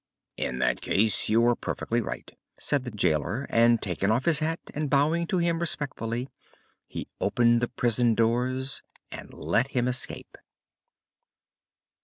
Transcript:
"In that case you are perfectly right," said the jailor, and, taking off his hat and bowing to him respectfully, he opened the prison doors and let him escape.